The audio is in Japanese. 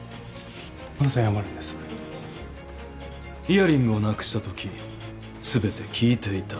イヤリングをなくしたとき全て聞いていた。